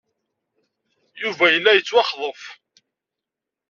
Yuba yella yettwaxḍef.